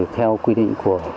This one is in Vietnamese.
theo quy định của